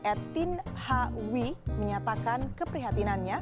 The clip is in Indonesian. etin h wi menyatakan keprihatinannya